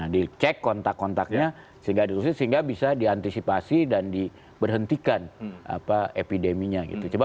di cek kontak kontaknya sehingga bisa diantisipasi dan di berhentikan epideminya gitu